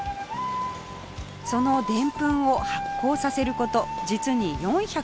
そのでんぷんを発酵させる事実に４５０日